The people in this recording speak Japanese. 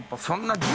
そんな。